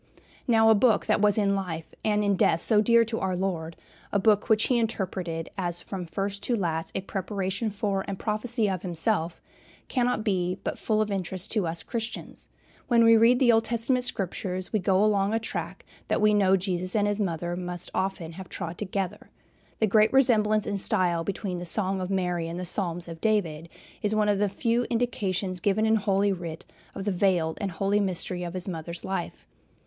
Now, a book that was in life and in death so dear to our Lord, a book which he interpreted as from first to last a preparation for and prophecy of himself, cannot but be full of interest to us Christians. When we read the Old Testament Scriptures we go along a track that we know Jesus and his mother must often have trod together. The great resemblance in style between the Song of Mary and the Psalms of David is one of the few indications given in Holy Writ of the veiled and holy mystery of his mother's life.